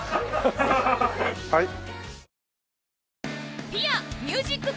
はい。